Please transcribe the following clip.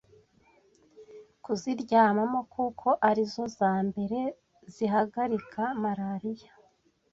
kuziryamamo kuko ari zo za mbere zihagarika malariya